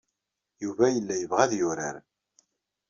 Yuba yella yebɣa ad yurar.